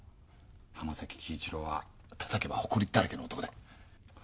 濱崎輝一郎はたたけばホコリだらけの男だ。